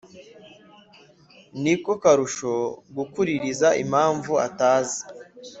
ni ko arushaho gukuririza impamvu atazi,